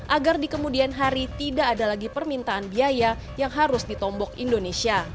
agar di kemudian hari tidak ada lagi permintaan biaya yang harus ditombok indonesia